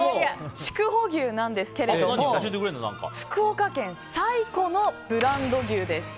筑穂牛なんですけれども福岡県最古のブランド牛です。